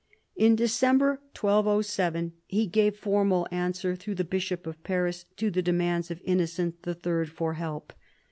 In December 1207 he gave formal answer through the bishop of Paris to the demands of Innocent III. for help.